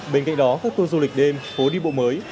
bên cạnh đó các tour du lịch đêm phố đi bộ mới